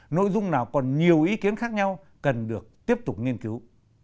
nội dung nào còn nhiều ý kiến khác nhau cần được tiếp tục nghiên cứu